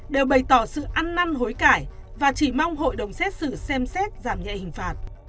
đều bày tỏ sự ăn năn hối cải và chỉ mong hội đồng xét xử xem xét giảm nhẹ hình phạt